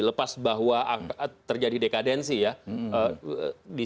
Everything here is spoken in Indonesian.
lepas bahwa terjadi dekadensi ya